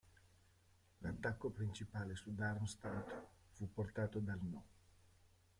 L'attacco principale su Darmstadt fu portato dal No.